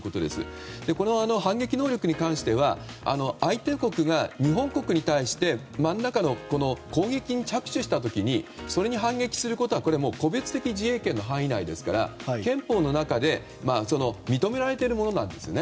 この反撃能力に関しては相手国が日本国に対して何らかの攻撃に着手した時にそれに反撃することは個別的自衛権の範囲内ですから憲法の中で認められているものなんですね。